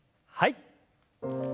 はい。